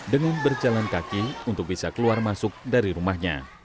dengan berjalan kaki untuk bisa keluar masuk dari rumahnya